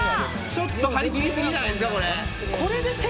ちょっと張り切りすぎじゃないですか。